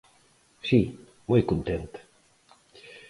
Si, moi contenta.